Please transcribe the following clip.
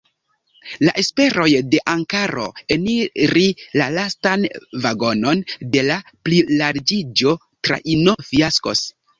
La esperoj de Ankaro eniri la lastan vagonon de la plilarĝiĝo-trajno fiaskos.